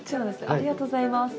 ありがとうございます。